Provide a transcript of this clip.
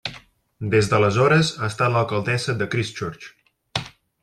Des d'aleshores ha estat l'alcaldessa de Christchurch.